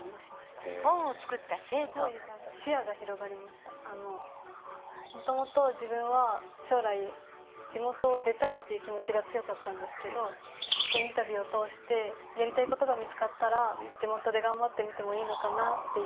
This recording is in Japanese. すごいあのもともと自分は将来地元を出たいっていう気持ちが強かったんですけどインタビューを通してやりたいことが見つかったら地元で頑張ってみてもいいのかなっていうふうに。